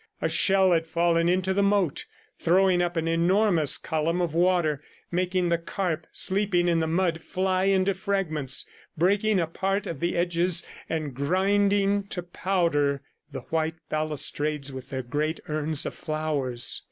A shell had fallen into the moat, throwing up an enormous column of water, making the carp sleeping in the mud fly into fragments, breaking a part of the edges and grinding to powder the white balustrades with their great urns of flowers.